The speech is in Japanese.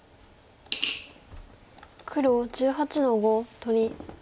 黒１８の五取り。